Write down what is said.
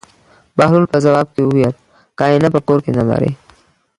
بهلول په ځواب کې وویل: که اېنه په کور کې نه لرې.